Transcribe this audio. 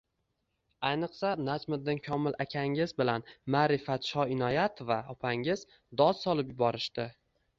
Ayniqsa, Najmiddin Komil akangiz bilan Ma’rifat Shoinoyatova opangiz dod solib yuborishdi